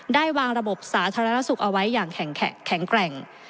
ได้วางระบบสาธารณสุขเอาไว้อย่างแข็งแกร่ง